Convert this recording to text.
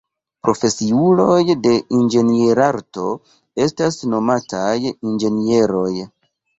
Profesiuloj de inĝenierarto estas nomataj inĝenieroj.